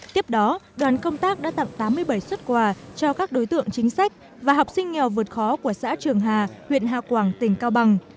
tiếp đó đoàn công tác đã tặng tám mươi bảy xuất quà cho các đối tượng chính sách và học sinh nghèo vượt khó của xã trường hà huyện hà quảng tỉnh cao bằng